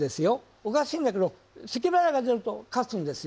おかしいんだけどせきばらいが出ると勝つんですよ。